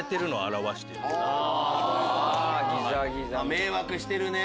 迷惑してるね！